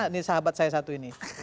ini sahabat saya satu ini